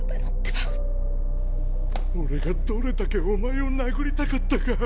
俺がどれだけお前を殴りたかったか。